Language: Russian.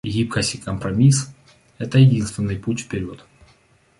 Гибкость и компромисс — это единственный путь вперед.